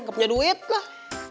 gak punya duit lah